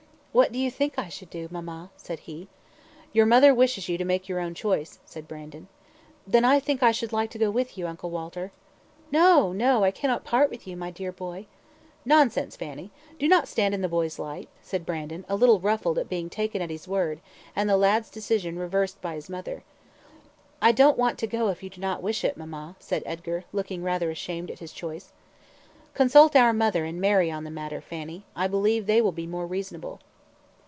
"What do you think I should do, mamma?" said he. "Your mother wishes you to make your own choice," said Brandon. "Then I think I should like to go with you, Uncle Walter." "No, no; I cannot part with you yet, my dear boy." "Nonsense, Fanny; do not stand in the boy's light," said Brandon, a little ruffled at being taken at his word, and the lad's decision reversed by his mother. "I don't want to go if you do not wish it, mamma," said Edgar, looking rather ashamed at his choice. "Consult our mother and Mary on the matter, Fanny; I believe they will be more reasonable."